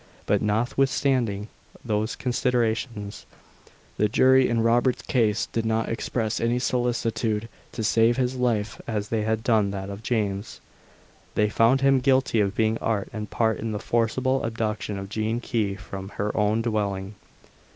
But notwithstanding these considerations, the jury, in Robert's case, did not express any solicitude to save his life as they had done that of James. They found him guilty of being art and part in the forcible abduction of Jean Key from her own dwelling.